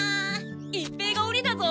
一平がおにだぞ！